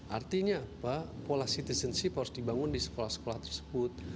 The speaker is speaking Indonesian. artinya apa pola citizenship harus dibangun di sekolah sekolah tersebut